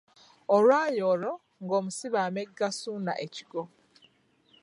Olwali olwo nga omusibe amegga Ssuuna ekigwo .